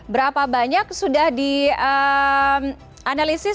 berapa banyak sudah dianalisis